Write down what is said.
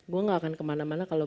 gue gak akan kemana mana kalau